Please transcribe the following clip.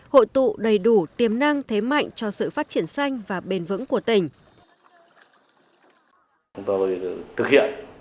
hội tụ đầy đủ tiềm năng thế mạnh cho sự phát triển xanh và bền vững của tỉnh